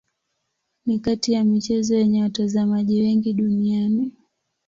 Ni kati ya michezo yenye watazamaji wengi duniani.